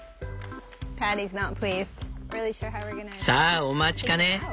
さあお待ちかね。